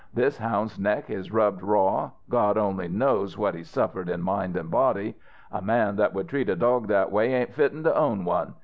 This houn's neck is rubbed raw. God only knows what he's suffered in mind an' body. A man that would treat a dog that way ain't fitten to own one.